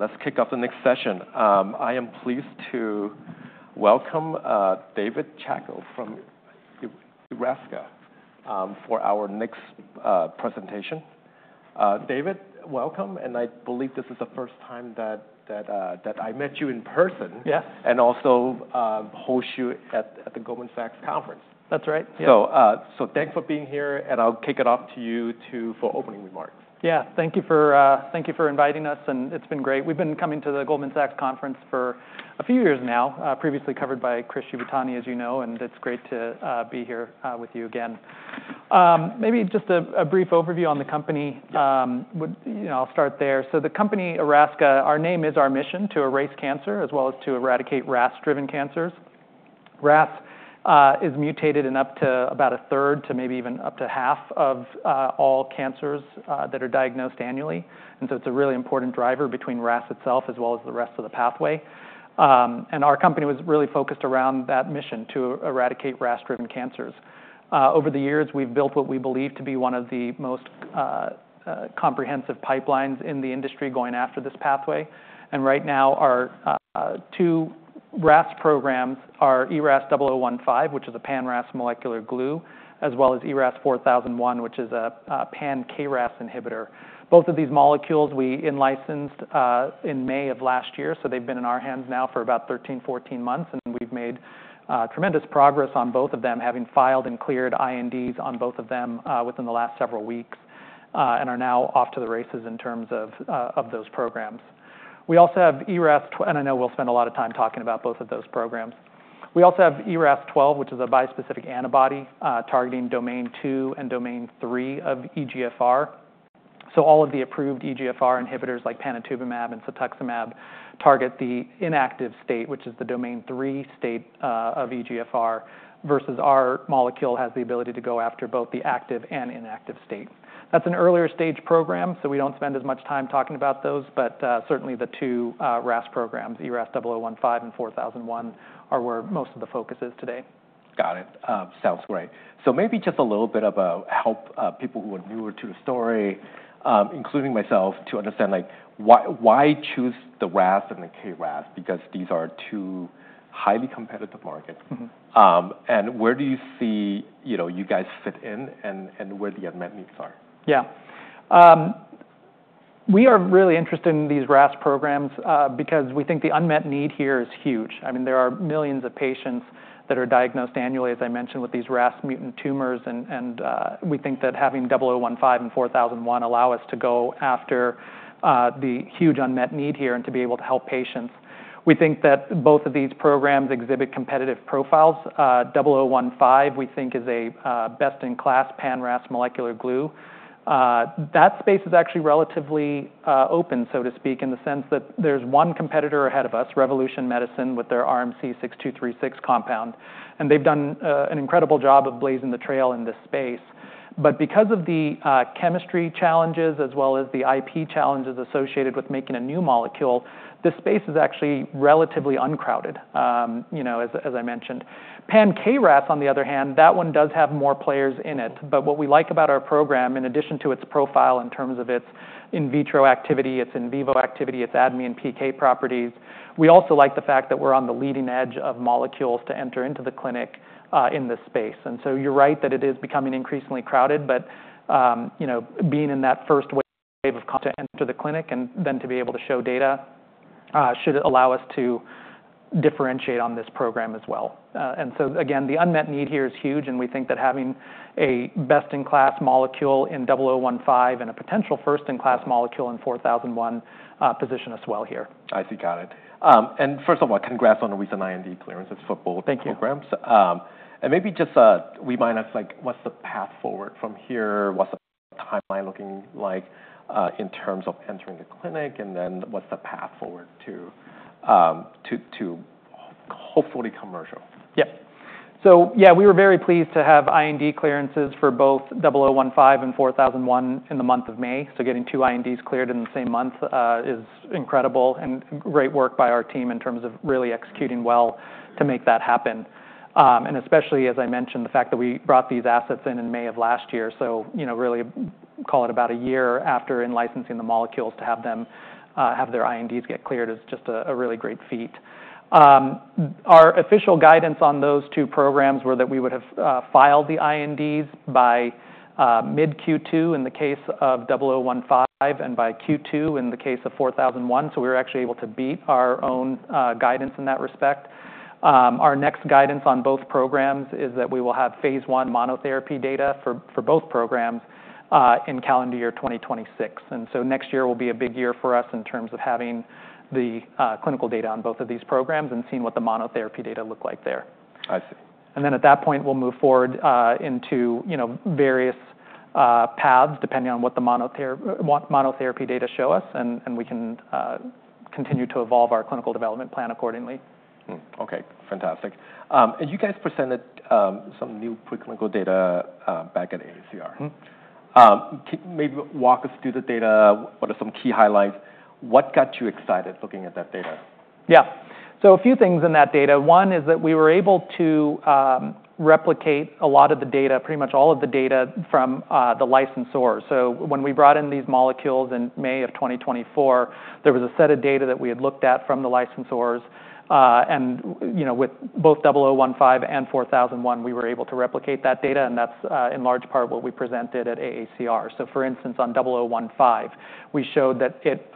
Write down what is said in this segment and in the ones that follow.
Let's kick off the next session. I am pleased to welcome David Chacko from Erasca for our next presentation. David, welcome. I believe this is the first time that I met you in person. Yes. We also host you at the Goldman Sachs Conference. That's right. Thanks for being here. I'll kick it off to you for opening remarks. Yeah, thank you for inviting us. It's been great. We've been coming to the Goldman Sachs Conference for a few years now, previously covered by Chris Shibutani, as you know. It's great to be here with you again. Maybe just a brief overview on the company. I'll start there. The company Erasca, our name is our mission to erase cancer as well as to eradicate RAS-driven cancers. RAS is mutated in up to about a third, to maybe even up to half of all cancers that are diagnosed annually. It's a really important driver between RAS itself as well as the rest of the pathway. Our company was really focused around that mission to eradicate RAS-driven cancers. Over the years, we've built what we believe to be one of the most comprehensive pipelines in the industry going after this pathway. Right now, our 2 RAS programs are ERAS-0015, which is a pan-RAS molecular glue, as well as ERAS-4001, which is a pan-KRAS inhibitor. Both of these molecules we licensed in May of last year. They have been in our hands now for about 13-14 months. We have made tremendous progress on both of them, having filed and cleared INDs on both of them within the last several weeks and are now off to the races in terms of those programs. We also have ERAS-2, and I know we will spend a lot of time talking about both of those programs. We also have ERAS-12, which is a bispecific antibody targeting domain 2 and domain 3 of EGFR. All of the approved EGFR inhibitors like panitumumab and cetuximab target the inactive state, which is the domain 3 state of EGFR, versus our molecule has the ability to go after both the active and inactive state. That's an earlier stage program, so we don't spend as much time talking about those. Certainly, the two RAS programs, ERAS-0015 and 4001, are where most of the focus is today. Got it. Sounds great. Maybe just a little bit about, help people who are newer to the story, including myself, to understand why choose the RAS and the KRAS, because these are two highly competitive markets. Where do you see you guys fit in and where the unmet needs are? Yeah. We are really interested in these RAS programs because we think the unmet need here is huge. I mean, there are millions of patients that are diagnosed annually, as I mentioned, with these RAS mutant tumors. We think that having 0015 and 4001 allow us to go after the huge unmet need here and to be able to help patients. We think that both of these programs exhibit competitive profiles. 0015, we think, is a best-in-class pan-RAS molecular glue. That space is actually relatively open, so to speak, in the sense that there's one competitor ahead of us, Revolution Medicines, with their RMC-6236 compound. They've done an incredible job of blazing the trail in this space. Because of the chemistry challenges as well as the IP challenges associated with making a new molecule, this space is actually relatively uncrowded, as I mentioned. Pan-KRAS, on the other hand, that one does have more players in it. What we like about our program, in addition to its profile in terms of its in vitro activity, its in vivo activity, its adenine PK properties, we also like the fact that we're on the leading edge of molecules to enter into the clinic in this space. You're right that it is becoming increasingly crowded. Being in that first wave to enter the clinic and then to be able to show data should allow us to differentiate on this program as well. The unmet need here is huge. We think that having a best-in-class molecule in 0015 and a potential first-in-class molecule in 4001 positions us well here. I see. Got it. First of all, congrats on a recent IND clearance for both programs. Thank you. Maybe just we might ask, what's the path forward from here? What's the timeline looking like in terms of entering the clinic? And then what's the path forward to hopefully commercial? Yes. So yeah, we were very pleased to have IND clearances for both 0015 and 4001 in the month of May. Getting 2 INDs cleared in the same month is incredible and great work by our team in terms of really executing well to make that happen. Especially, as I mentioned, the fact that we brought these assets in in May of last year. Really call it about a year after in licensing the molecules to have their INDs get cleared is just a really great feat. Our official guidance on those 2 programs were that we would have filed the INDs by mid Q2 in the case of 0015 and by Q2 in the case of 4001. We were actually able to beat our own guidance in that respect. Our next guidance on both programs is that we will have phase one monotherapy data for both programs in calendar year 2026. Next year will be a big year for us in terms of having the clinical data on both of these programs and seeing what the monotherapy data look like there. I see. At that point, we'll move forward into various paths depending on what the monotherapy data show us. We can continue to evolve our clinical development plan accordingly. OK, fantastic. You guys presented some new preclinical data back at AACR. Maybe walk us through the data. What are some key highlights? What got you excited looking at that data? Yeah. So a few things in that data. One is that we were able to replicate a lot of the data, pretty much all of the data from the licensors. When we brought in these molecules in May of 2024, there was a set of data that we had looked at from the licensors. With both 0015 and 4001, we were able to replicate that data. That is in large part what we presented at AACR. For instance, on 0015, we showed that it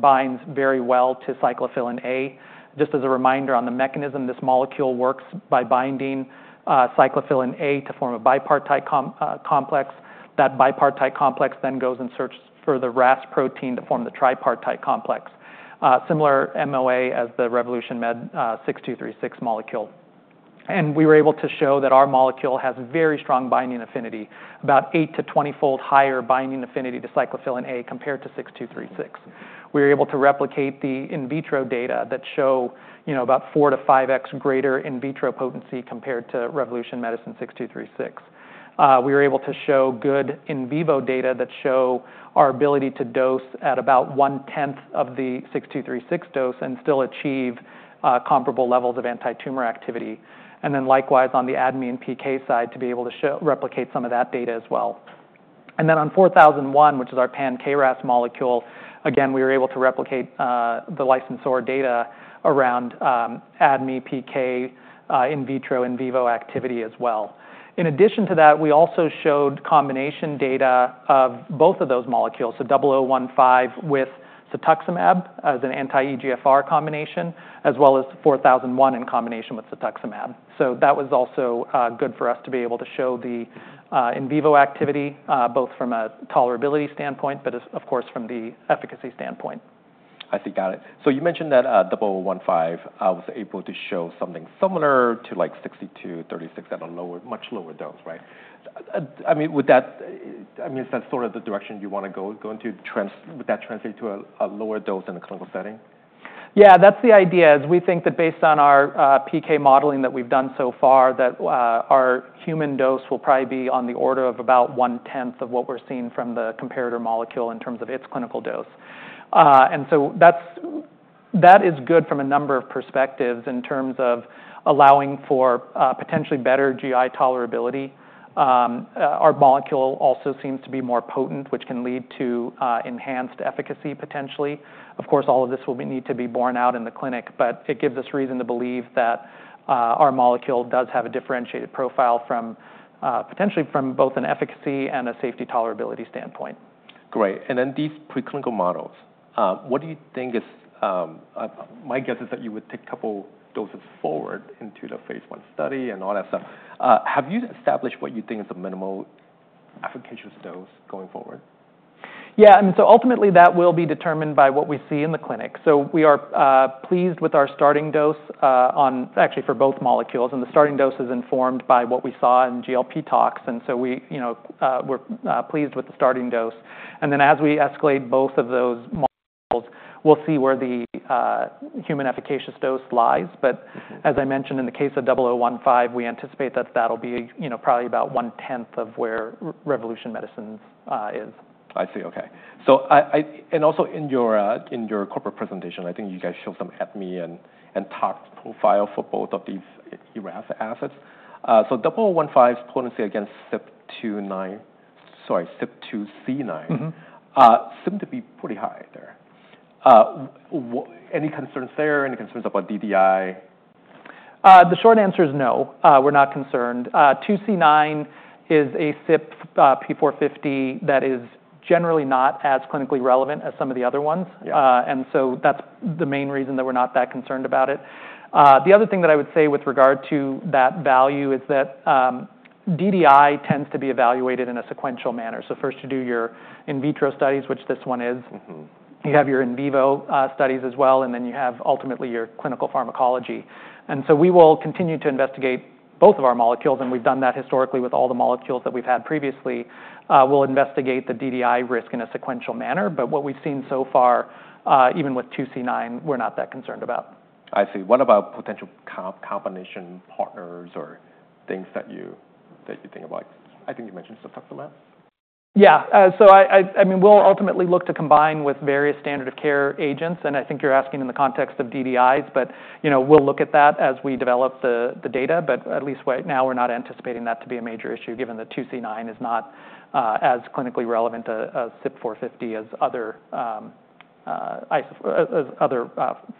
binds very well to cyclophilin A. Just as a reminder on the mechanism, this molecule works by binding cyclophilin A to form a bipartite complex. That bipartite complex then goes and searches for the RAS protein to form the tripartite complex, similar MOA as the Revolution Medicines 6236 molecule. We were able to show that our molecule has very strong binding affinity, about 8-20-fold higher binding affinity to cyclophilin A compared to 6236. We were able to replicate the in vitro data that show about 4-5x greater in vitro potency compared to Revolution Medicines 6236. We were able to show good in vivo data that show our ability to dose at about 1/10 of the 6236 dose and still achieve comparable levels of anti-tumor activity. Likewise, on the adenine PK side, we were able to replicate some of that data as well. On 4001, which is our pan-KRAS molecule, again, we were able to replicate the licensor data around adenine PK in vitro and in vivo activity as well. In addition to that, we also showed combination data of both of those molecules, so 0015 with Cetuximab as an anti-EGFR combination, as well as 4001 in combination with Cetuximab. That was also good for us to be able to show the in vivo activity both from a tolerability standpoint, but of course from the efficacy standpoint. I see. Got it. So you mentioned that 0015 was able to show something similar to 6236 at a much lower dose, right? I mean, is that sort of the direction you want to go into? Would that translate to a lower dose in a clinical setting? Yeah, that's the idea. We think that based on our PK modeling that we've done so far, that our human dose will probably be on the order of about one-tenth of what we're seeing from the comparator molecule in terms of its clinical dose. That is good from a number of perspectives in terms of allowing for potentially better GI tolerability. Our molecule also seems to be more potent, which can lead to enhanced efficacy potentially. Of course, all of this will need to be borne out in the clinic. It gives us reason to believe that our molecule does have a differentiated profile potentially from both an efficacy and a safety tolerability standpoint. Great. In these preclinical models, what do you think is, my guess is that you would take a couple doses forward into the phase one study and all that stuff. Have you established what you think is the minimal efficacious dose going forward? Yeah. I mean, ultimately, that will be determined by what we see in the clinic. We are pleased with our starting dose actually for both molecules. The starting dose is informed by what we saw in GLP tox. We are pleased with the starting dose. As we escalate both of those molecules, we'll see where the human efficacious dose lies. As I mentioned, in the case of 0015, we anticipate that that'll be probably about 1/10 of where Revolution Medicines is. I see. OK. Also in your corporate presentation, I think you guys showed some adenine and tox profile for both of these ERAS assets. So 0015's potency against CYP2C9 seemed to be pretty high there. Any concerns there? Any concerns about DDI? The short answer is no. We're not concerned. 2C9 is a CYP2C9 P450 that is generally not as clinically relevant as some of the other ones. That is the main reason that we're not that concerned about it. The other thing that I would say with regard to that value is that DDI tends to be evaluated in a sequential manner. First you do your in vitro studies, which this one is. You have your in vivo studies as well. Then you have ultimately your clinical pharmacology. We will continue to investigate both of our molecules. We've done that historically with all the molecules that we've had previously. We'll investigate the DDI risk in a sequential manner. What we've seen so far, even with 2C9, we're not that concerned about. I see. What about potential combination partners or things that you think about? I think you mentioned Cetuximab. Yeah. So I mean, we'll ultimately look to combine with various standard of care agents. I think you're asking in the context of DDIs. We'll look at that as we develop the data. At least right now, we're not anticipating that to be a major issue given that CYP2C9 is not as clinically relevant to CYP450 as other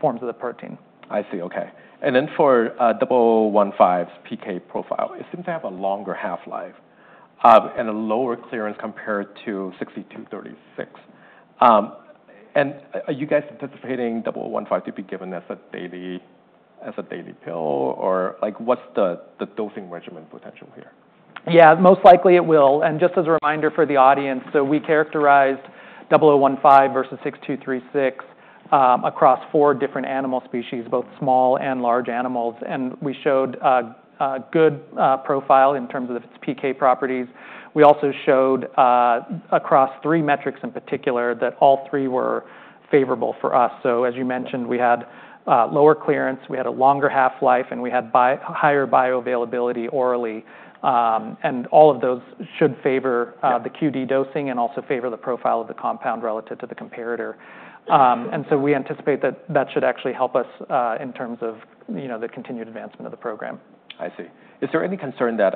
forms of the protein. I see. OK. And then for 0015's PK profile, it seems to have a longer half-life and a lower clearance compared to 6236. Are you guys anticipating 0015 to be given as a daily pill? Or what's the dosing regimen potential here? Yeah, most likely it will. Just as a reminder for the audience, we characterized 0015 versus 6236 across four different animal species, both small and large animals. We showed a good profile in terms of its PK properties. We also showed across three metrics in particular that all three were favorable for us. As you mentioned, we had lower clearance, we had a longer half-life, and we had higher bioavailability orally. All of those should favor the QD dosing and also favor the profile of the compound relative to the comparator. We anticipate that that should actually help us in terms of the continued advancement of the program. I see. Is there any concern that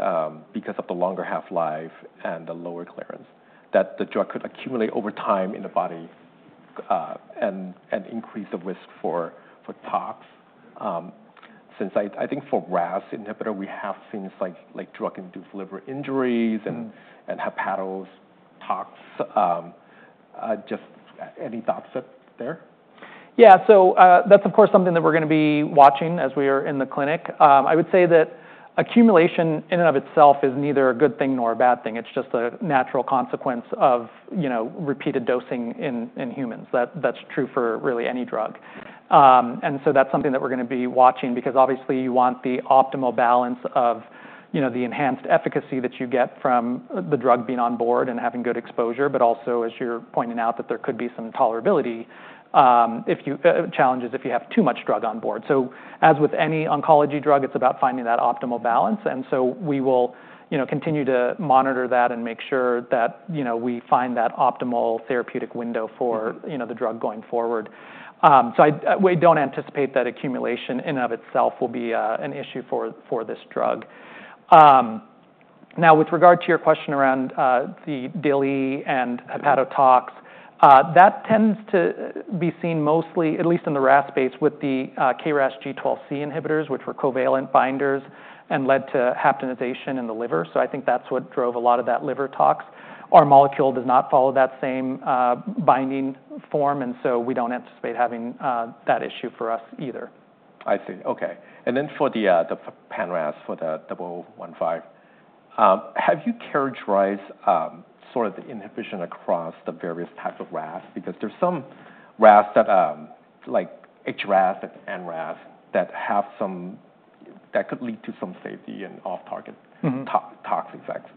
because of the longer half-life and the lower clearance, that the drug could accumulate over time in the body and increase the risk for tox? Since I think for RAS inhibitor, we have things like drug-induced liver injuries and hepato-tox. Just any thoughts there? Yeah. So that's of course something that we're going to be watching as we are in the clinic. I would say that accumulation in and of itself is neither a good thing nor a bad thing. It's just a natural consequence of repeated dosing in humans. That's true for really any drug. That's something that we're going to be watching because obviously you want the optimal balance of the enhanced efficacy that you get from the drug being on board and having good exposure, but also, as you're pointing out, that there could be some tolerability challenges if you have too much drug on board. As with any oncology drug, it's about finding that optimal balance. We will continue to monitor that and make sure that we find that optimal therapeutic window for the drug going forward. We do not anticipate that accumulation in and of itself will be an issue for this drug. Now with regard to your question around the DILI and hepato-tox, that tends to be seen mostly, at least in the RAS space, with the KRAS G12C inhibitors, which were covalent binders and led to haptenization in the liver. I think that is what drove a lot of that liver tox. Our molecule does not follow that same binding form. We do not anticipate having that issue for us either. I see. OK. For the pan-RAS, for the 0015, have you characterized sort of the inhibition across the various types of RAS? Because there is some HRAS and NRAS that could lead to some safety and off-target tox effects.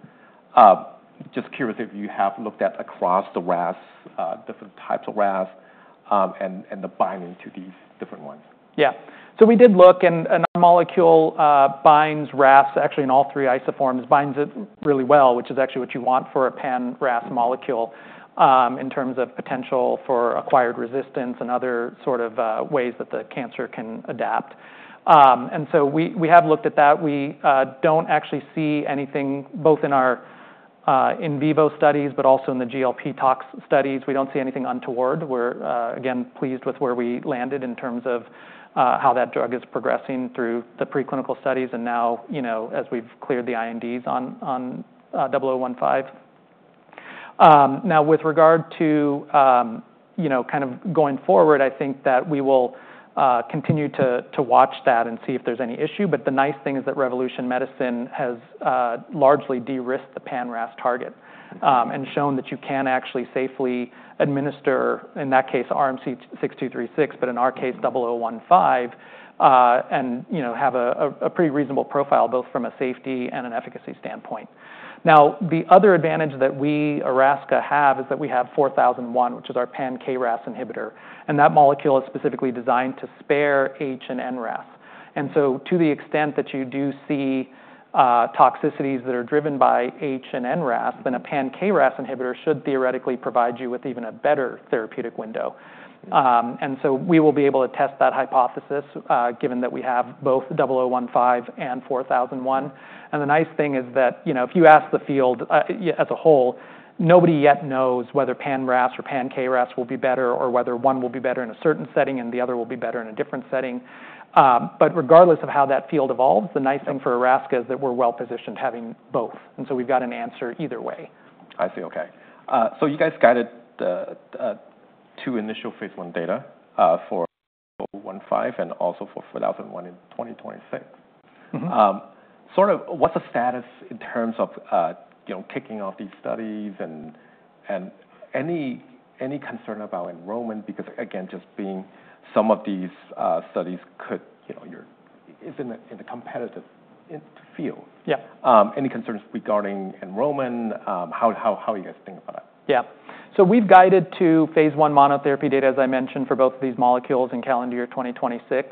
Just curious if you have looked at across the RAS, different types of RAS, and the binding to these different ones. Yeah. We did look. Our molecule binds RAS actually in all three isoforms, binds it really well, which is actually what you want for a pan-RAS molecule in terms of potential for acquired resistance and other sort of ways that the cancer can adapt. We have looked at that. We do not actually see anything both in our in vivo studies, but also in the GLP tox studies. We do not see anything untoward. We are again pleased with where we landed in terms of how that drug is progressing through the preclinical studies and now as we have cleared the INDs on 0015. Now with regard to kind of going forward, I think that we will continue to watch that and see if there is any issue. The nice thing is that Revolution Medicines has largely de-risked the pan-RAS target and shown that you can actually safely administer, in that case, RMC-6236, but in our case, 0015, and have a pretty reasonable profile both from a safety and an efficacy standpoint. The other advantage that we at Erasca have is that we have 4001, which is our pan-KRAS inhibitor. That molecule is specifically designed to spare H and NRAS. To the extent that you do see toxicities that are driven by H and NRAS, then a pan-KRAS inhibitor should theoretically provide you with even a better therapeutic window. We will be able to test that hypothesis given that we have both 0015 and 4001. The nice thing is that if you ask the field as a whole, nobody yet knows whether pan-RAS or pan-KRAS will be better or whether one will be better in a certain setting and the other will be better in a different setting. Regardless of how that field evolves, the nice thing for Erasca is that we're well positioned having both. We have an answer either way. I see. OK. So you guys guided the two initial phase one data for 0015 and also for 4001 in 2026. Sort of what's the status in terms of kicking off these studies and any concern about enrollment? Because again, just being some of these studies could is in a competitive field. Any concerns regarding enrollment? How do you guys think about it? Yeah. We have guided to phase I monotherapy data, as I mentioned, for both of these molecules in calendar year 2026.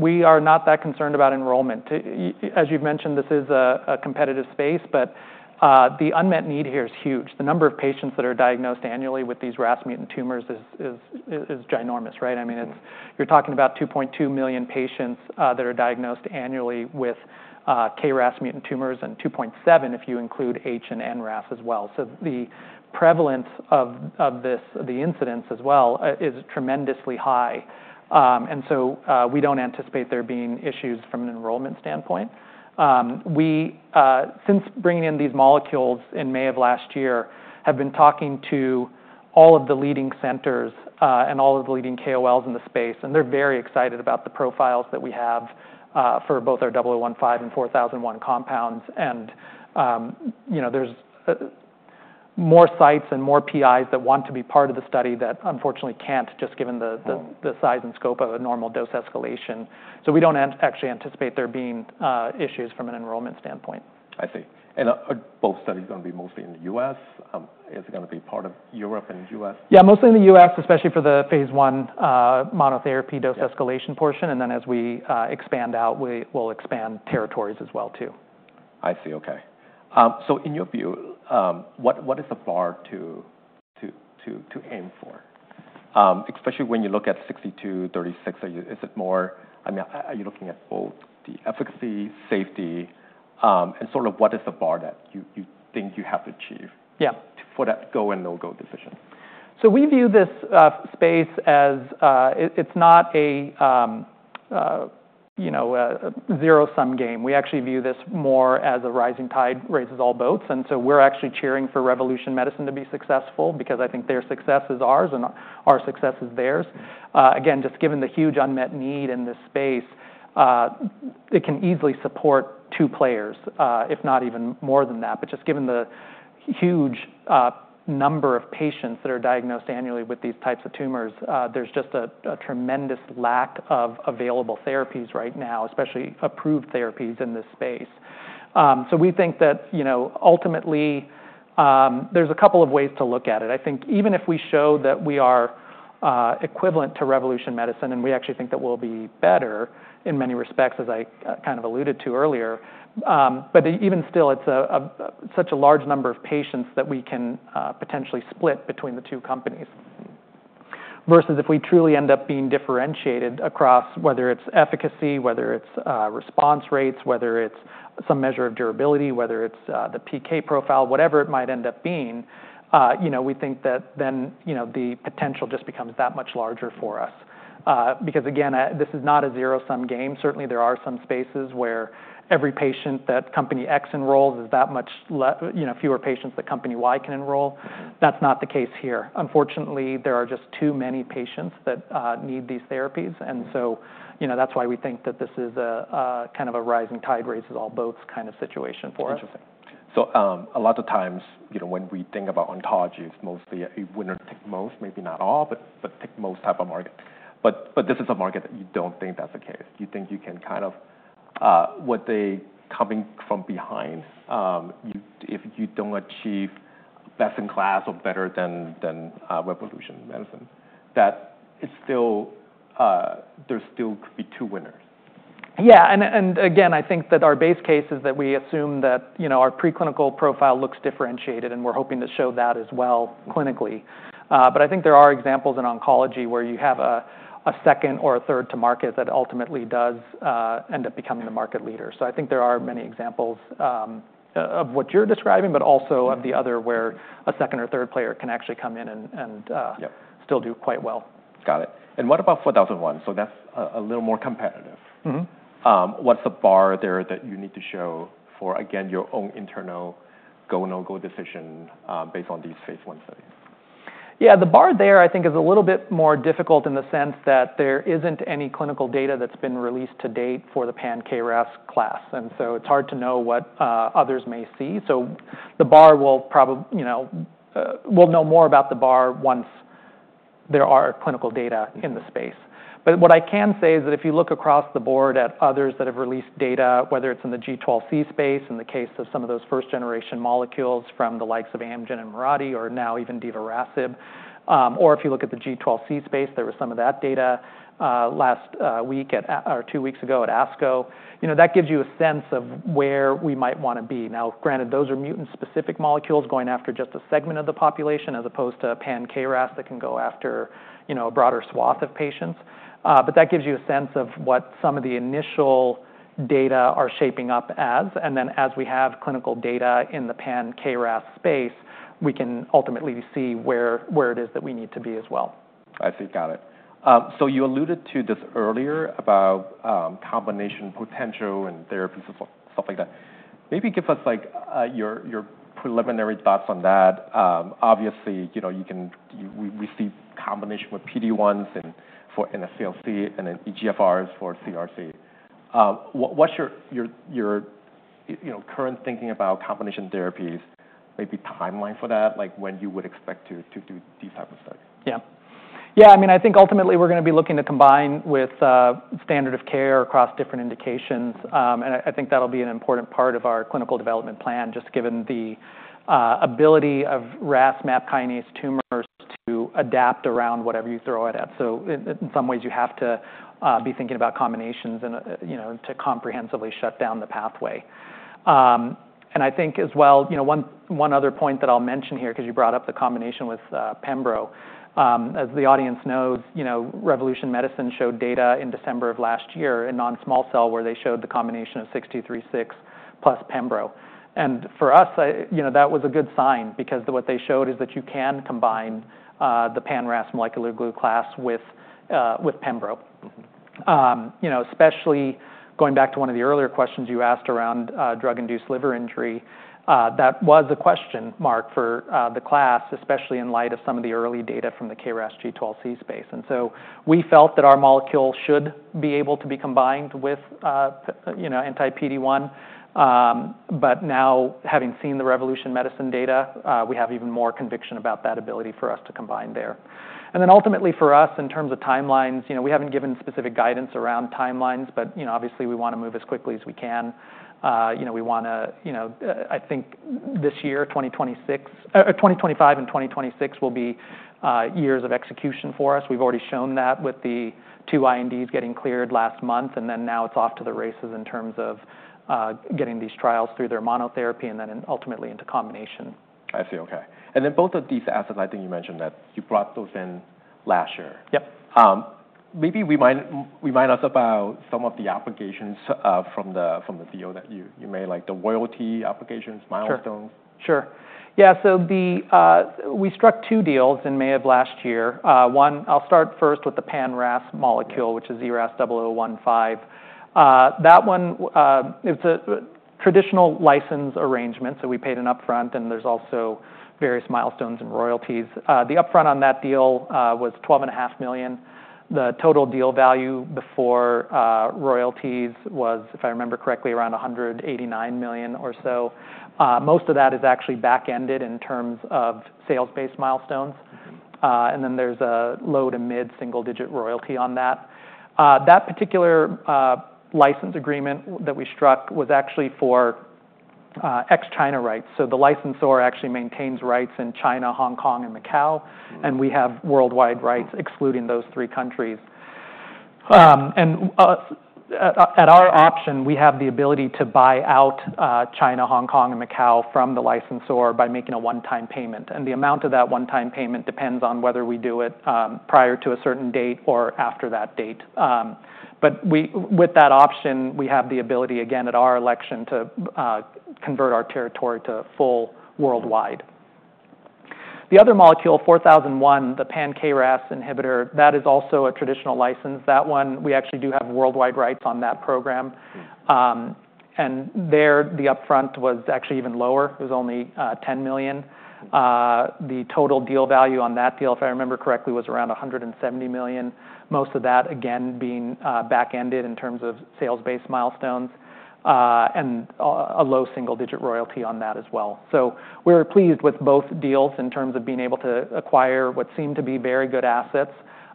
We are not that concerned about enrollment. As you have mentioned, this is a competitive space. The unmet need here is huge. The number of patients that are diagnosed annually with these RAS mutant tumors is ginormous, right? I mean, you are talking about 2.2 million patients that are diagnosed annually with KRAS mutant tumors and 2.7 million if you include HRAS and NRAS as well. The prevalence of the incidence as well is tremendously high. We do not anticipate there being issues from an enrollment standpoint. Since bringing in these molecules in May of last year, I have been talking to all of the leading centers and all of the leading KOLs in the space. They're very excited about the profiles that we have for both our 0015 and 4001 compounds. There are more sites and more PIs that want to be part of the study that unfortunately can't just given the size and scope of a normal dose escalation. We don't actually anticipate there being issues from an enrollment standpoint. I see. Are both studies going to be mostly in the U.S.? Is it going to be part of Europe and U.S.? Yeah, mostly in the U.S., especially for the phase one monotherapy dose escalation portion. As we expand out, we'll expand territories as well too. I see. OK. So in your view, what is the bar to aim for, especially when you look at 6236? Is it more, I mean, are you looking at both the efficacy, safety, and sort of what is the bar that you think you have to achieve for that go and no go decision? We view this space as it's not a zero-sum game. We actually view this more as a rising tide raises all boats. We are actually cheering for Revolution Medicines to be successful because I think their success is ours and our success is theirs. Just given the huge unmet need in this space, it can easily support two players, if not even more than that. Given the huge number of patients that are diagnosed annually with these types of tumors, there is just a tremendous lack of available therapies right now, especially approved therapies in this space. We think that ultimately there are a couple of ways to look at it. I think even if we show that we are equivalent to Revolution Medicines, and we actually think that we'll be better in many respects, as I kind of alluded to earlier, but even still, it's such a large number of patients that we can potentially split between the two companies versus if we truly end up being differentiated across whether it's efficacy, whether it's response rates, whether it's some measure of durability, whether it's the PK profile, whatever it might end up being, we think that then the potential just becomes that much larger for us. Because again, this is not a zero-sum game. Certainly, there are some spaces where every patient that company X enrolls is that much fewer patients that company Y can enroll. That's not the case here. Unfortunately, there are just too many patients that need these therapies. That is why we think that this is a kind of a rising tide raises all boats kind of situation for us. Interesting. A lot of times when we think about ontologies, mostly we're going to take most, maybe not all, but take most type of market. This is a market that you don't think that's the case. You think you can kind of, what, they coming from behind, if you don't achieve best in class or better than Revolution Medicines, that there still could be two winners. Yeah. Again, I think that our base case is that we assume that our preclinical profile looks differentiated. We are hoping to show that as well clinically. I think there are examples in oncology where you have a second or a third to market that ultimately does end up becoming the market leader. I think there are many examples of what you are describing, but also of the other where a second or third player can actually come in and still do quite well. Got it. What about 4001? That's a little more competitive. What's the bar there that you need to show for, again, your own internal go/no go decision based on these phase one studies? Yeah, the bar there I think is a little bit more difficult in the sense that there isn't any clinical data that's been released to date for the pan-KRAS class. It's hard to know what others may see. We'll know more about the bar once there are clinical data in the space. What I can say is that if you look across the board at others that have released data, whether it's in the G12C space, in the case of some of those first-generation molecules from the likes of Amgen and Mirati or now even DevaRASib, or if you look at the G12C space, there was some of that data last week or two weeks ago at ASCO, that gives you a sense of where we might want to be. Now granted, those are mutant specific molecules going after just a segment of the population as opposed to pan-KRAS that can go after a broader swath of patients. That gives you a sense of what some of the initial data are shaping up as. As we have clinical data in the pan-KRAS space, we can ultimately see where it is that we need to be as well. I see. Got it. So you alluded to this earlier about combination potential and therapies and stuff like that. Maybe give us your preliminary thoughts on that. Obviously, we see combination with PD-1s and for NSCLC and then EGFRs for CRC. What's your current thinking about combination therapies, maybe timeline for that, like when you would expect to do these types of studies? Yeah. Yeah, I mean, I think ultimately we're going to be looking to combine with standard of care across different indications. I think that'll be an important part of our clinical development plan just given the ability of RAS, MAP kinase tumors to adapt around whatever you throw at it. In some ways, you have to be thinking about combinations to comprehensively shut down the pathway. I think as well, one other point that I'll mention here because you brought up the combination with Pembro. As the audience knows, Revolution Medicines showed data in December of last year in non-small cell where they showed the combination of 6236 plus Pembro. For us, that was a good sign because what they showed is that you can combine the pan-RAS molecular glue class with Pembro, especially going back to one of the earlier questions you asked around drug-induced liver injury. That was a question mark for the class, especially in light of some of the early data from the KRAS G12C space. We felt that our molecule should be able to be combined with anti-PD1. Now having seen the Revolution Medicines data, we have even more conviction about that ability for us to combine there. Ultimately for us, in terms of timelines, we have not given specific guidance around timelines. Obviously, we want to move as quickly as we can. I think this year, 2025 and 2026 will be years of execution for us. We've already shown that with the two INDs getting cleared last month. Now it's off to the races in terms of getting these trials through their monotherapy and then ultimately into combination. I see. OK. And then both of these assets, I think you mentioned that you brought those in last year. Yep. Maybe remind us about some of the applications from the deal that you made, like the royalty applications, milestones. Sure. Yeah. We struck two deals in May of last year. One, I'll start first with the pan-RAS molecule, which is ERAS-0015. That one, it's a traditional license arrangement. We paid an upfront. There's also various milestones and royalties. The upfront on that deal was $12.5 million. The total deal value before royalties was, if I remember correctly, around $189 million or so. Most of that is actually back-ended in terms of sales-based milestones. There's a low to mid single-digit royalty on that. That particular license agreement that we struck was actually for ex-China rights. The licensor actually maintains rights in China, Hong Kong, and Macau. We have worldwide rights excluding those three countries. At our option, we have the ability to buy out China, Hong Kong, and Macau from the licensor by making a one-time payment. The amount of that one-time payment depends on whether we do it prior to a certain date or after that date. With that option, we have the ability, again, at our election to convert our territory to full worldwide. The other molecule, ERAS-4001, the pan-KRAS inhibitor, that is also a traditional license. That one, we actually do have worldwide rights on that program. There, the upfront was actually even lower. It was only $10 million. The total deal value on that deal, if I remember correctly, was around $170 million, most of that again being back-ended in terms of sales-based milestones and a low single-digit royalty on that as well. We're pleased with both deals in terms of being able to acquire what seemed to be very good assets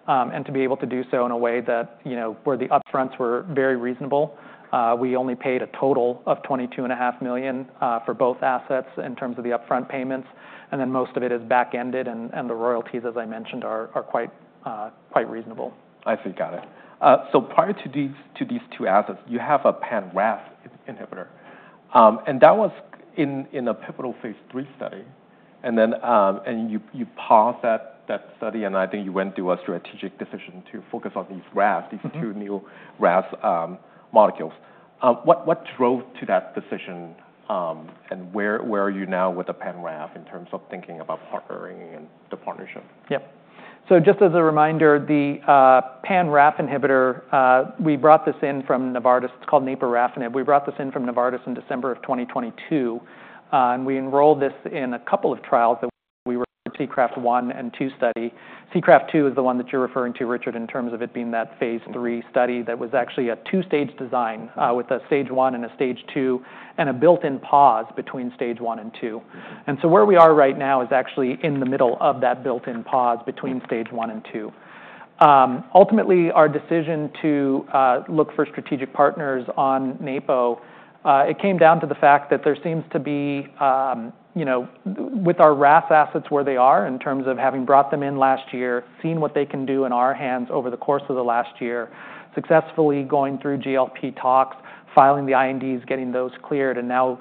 and to be able to do so in a way where the upfronts were very reasonable. We only paid a total of $22.5 million for both assets in terms of the upfront payments. Most of it is back-ended. The royalties, as I mentioned, are quite reasonable. I see. Got it. Prior to these two assets, you have a pan-RAS inhibitor. That was in a pivotal phase three study. You paused that study. I think you went to a strategic decision to focus on these RAS, these two new RAS molecules. What drove that decision? Where are you now with the pan-RAS in terms of thinking about partnering and the partnership? Yep. So just as a reminder, the pan-RAS inhibitor, we brought this in from Novartis. It's called Naperafnib. We brought this in from Novartis in December of 2022. And we enrolled this in a couple of trials that we referred to as CCRAFT 1 and 2 study. CCRAFT 2 is the one that you're referring to, Richard, in terms of it being that phase three study that was actually a two-stage design with a stage one and a stage two and a built-in pause between stage one and two. Where we are right now is actually in the middle of that built-in pause between stage one and two. Ultimately, our decision to look for strategic partners on Napo, it came down to the fact that there seems to be, with our RAS assets where they are in terms of having brought them in last year, seen what they can do in our hands over the course of the last year, successfully going through GLP tox, filing the INDs, getting those cleared, and now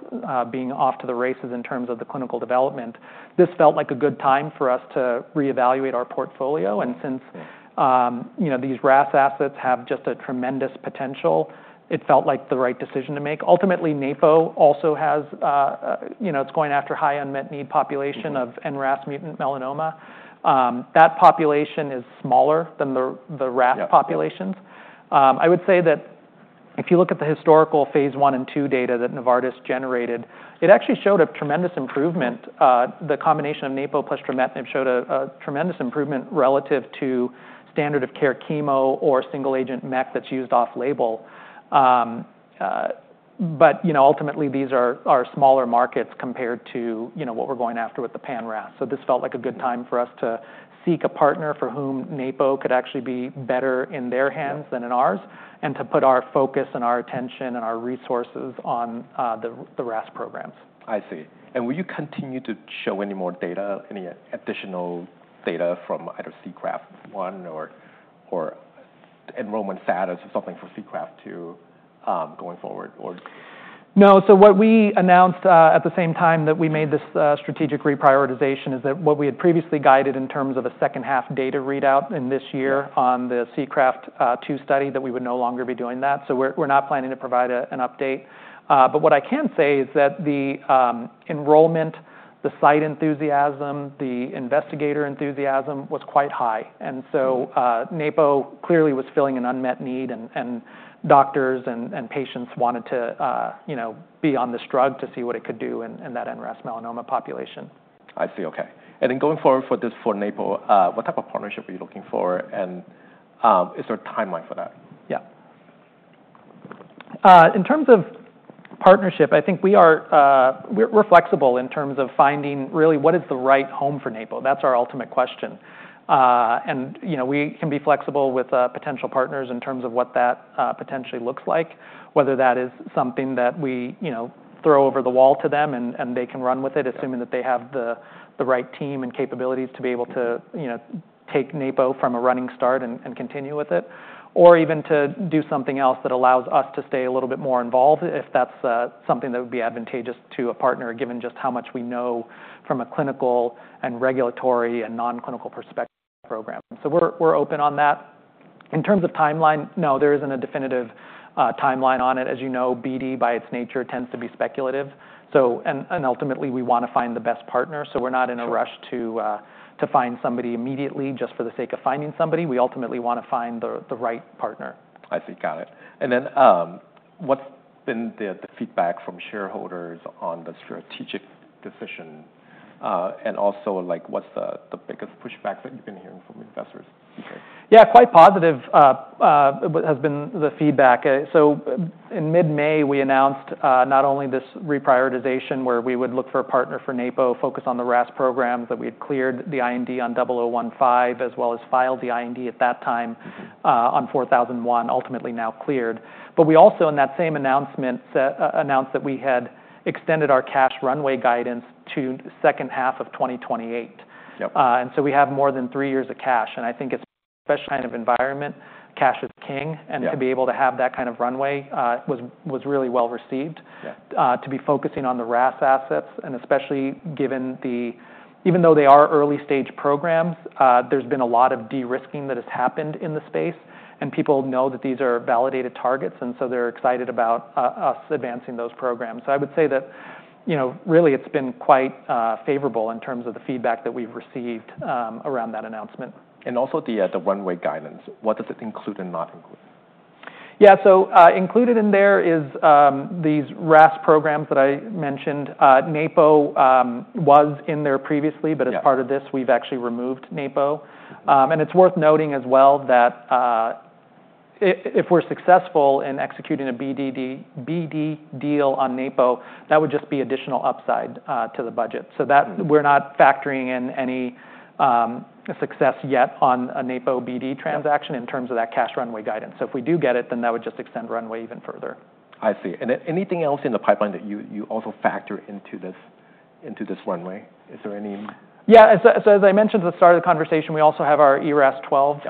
being off to the races in terms of the clinical development, this felt like a good time for us to reevaluate our portfolio. Since these RAS assets have just a tremendous potential, it felt like the right decision to make. Ultimately, Napo also has its going after high unmet need population of NRAS mutant melanoma. That population is smaller than the RAS populations. I would say that if you look at the historical phase one and two data that Novartis generated, it actually showed a tremendous improvement. The combination of Naperafnib plus Trametinib showed a tremendous improvement relative to standard of care chemo or single agent MEK that's used off label. Ultimately, these are smaller markets compared to what we're going after with the pan-RAS. This felt like a good time for us to seek a partner for whom Naperafnib could actually be better in their hands than in ours and to put our focus and our attention and our resources on the RAS programs. I see. Will you continue to show any more data, any additional data from either CCRAFT 1 or enrollment status or something for CCRAFT 2 going forward? No. What we announced at the same time that we made this strategic reprioritization is that what we had previously guided in terms of a second half data readout in this year on the CCRAFT 2 study that we would no longer be doing that. We are not planning to provide an update. What I can say is that the enrollment, the site enthusiasm, the investigator enthusiasm was quite high. Napo clearly was filling an unmet need. Doctors and patients wanted to be on this drug to see what it could do in that NRAS melanoma population. I see. OK. And then going forward for Naperafnib, what type of partnership are you looking for? And is there a timeline for that? Yeah. In terms of partnership, I think we're flexible in terms of finding really what is the right home for Napo. That's our ultimate question. We can be flexible with potential partners in terms of what that potentially looks like, whether that is something that we throw over the wall to them and they can run with it, assuming that they have the right team and capabilities to be able to take Napo from a running start and continue with it, or even to do something else that allows us to stay a little bit more involved if that's something that would be advantageous to a partner, given just how much we know from a clinical and regulatory and non-clinical perspective program. We're open on that. In terms of timeline, no, there isn't a definitive timeline on it. As you know, BD by its nature tends to be speculative. Ultimately, we want to find the best partner. We are not in a rush to find somebody immediately just for the sake of finding somebody. We ultimately want to find the right partner. I see. Got it. What's been the feedback from shareholders on the strategic decision? Also, what's the biggest pushback that you've been hearing from investors? Yeah, quite positive has been the feedback. In mid-May, we announced not only this reprioritization where we would look for a partner for Napo, focus on the RAS programs, that we had cleared the IND on 0015, as well as filed the IND at that time on 4001, ultimately now cleared. We also, in that same announcement, announced that we had extended our cash runway guidance to second half of 2028. We have more than three years of cash. I think it's a special kind of environment. Cash is king. To be able to have that kind of runway was really well received to be focusing on the RAS assets. Especially given the, even though they are early stage programs, there's been a lot of de-risking that has happened in the space. People know that these are validated targets. They are excited about us advancing those programs. I would say that really it has been quite favorable in terms of the feedback that we have received around that announcement. The runway guidance, what does it include and not include? Yeah. So included in there is these RAS programs that I mentioned. Napo was in there previously. As part of this, we've actually removed Napo. It's worth noting as well that if we're successful in executing a BD deal on Napo, that would just be additional upside to the budget. We're not factoring in any success yet on a Napo BD transaction in terms of that cash runway guidance. If we do get it, then that would just extend runway even further. I see. Anything else in the pipeline that you also factor into this runway? Is there any? Yeah. As I mentioned at the start of the conversation, we also have our ERAS-12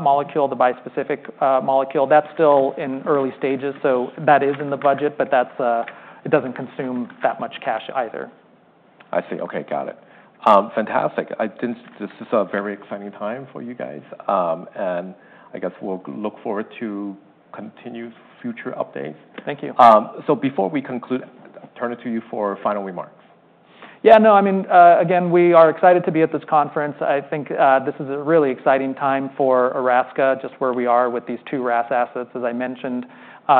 molecule, the bispecific molecule. That's still in early stages. That is in the budget. It does not consume that much cash either. I see. OK, got it. Fantastic. This is a very exciting time for you guys. I guess we'll look forward to continued future updates. Thank you. Before we conclude, I turn it to you for final remarks. Yeah. No, I mean, again, we are excited to be at this conference. I think this is a really exciting time for Erasca, just where we are with these two RAS assets, as I mentioned.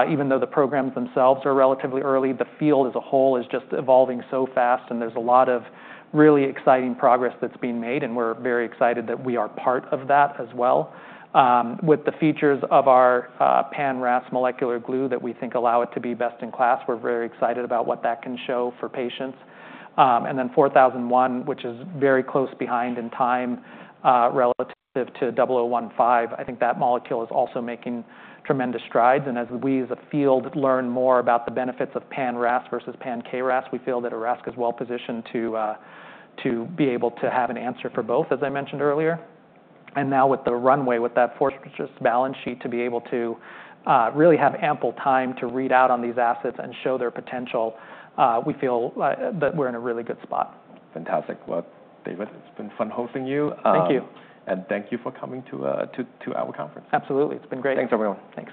Even though the programs themselves are relatively early, the field as a whole is just evolving so fast. There is a lot of really exciting progress that is being made. We are very excited that we are part of that as well. With the features of our pan-RAS molecular glue that we think allow it to be best in class, we are very excited about what that can show for patients. Then 4001, which is very close behind in time relative to 0015, I think that molecule is also making tremendous strides. As we as a field learn more about the benefits of pan-RAS versus pan-KRAS, we feel that Erasca is well positioned to be able to have an answer for both, as I mentioned earlier. Now with the runway, with that force versus balance sheet, to be able to really have ample time to read out on these assets and show their potential, we feel that we're in a really good spot. Fantastic. David, it's been fun hosting you. Thank you. Thank you for coming to our conference. Absolutely. It's been great. Thanks, everyone. Thanks.